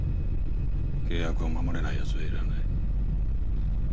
契約を守れないやつはいらない。